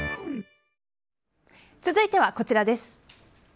続いてはこちらです。